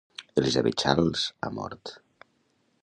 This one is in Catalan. Elizabeth Charles ha mort.